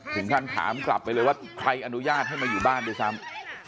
ท่านถามกลับไปเลยว่าใครอนุญาตให้มาอยู่บ้านด้วยซ้ำ